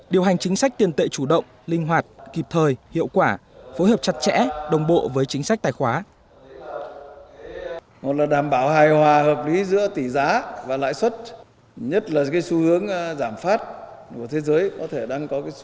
điều hành chính sách tiền tệ chủ động linh hoạt kịp thời hiệu quả phối hợp chặt chẽ đồng bộ với chính sách tài khoá